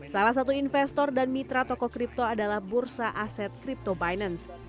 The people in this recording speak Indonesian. salah satu investor dan mitra toko kripto adalah bursa aset crypto binance